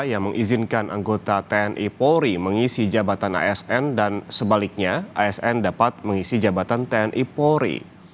yang mengizinkan anggota tni polri mengisi jabatan asn dan sebaliknya asn dapat mengisi jabatan tni polri